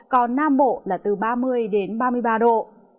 còn nam bộ là từ ba mươi đến ba mươi ba độ